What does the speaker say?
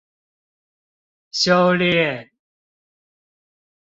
修煉